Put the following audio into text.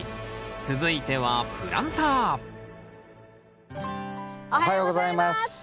続いてはプランターおはようございます。